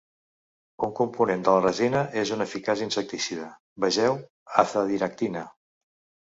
Un component de la resina és un eficaç insecticida; vegeu azadiractina.